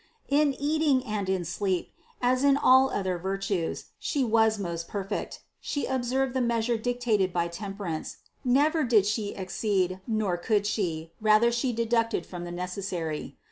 In eating and in sleep, as in all other virtues, She was most perfect : She observed the measure dictated by temperance ; never did She exceed, nor could She, rather She deducted from the necessary.